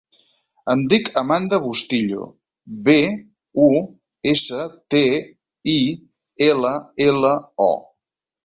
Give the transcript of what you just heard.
Em dic Amanda Bustillo: be, u, essa, te, i, ela, ela, o.